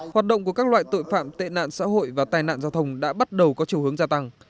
hoạt động của các loại tội phạm tệ nạn xã hội và tai nạn giao thông đã bắt đầu có chiều hướng gia tăng